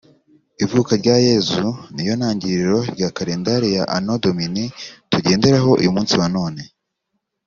Ivuka rya Yezu ni yo ntangiriro rya kalendari ya Anno Domini tugenderaho umunsi wa none